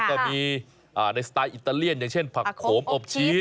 ก็มีในสไตล์อิตาเลียนอย่างเช่นผักโขมอบชี้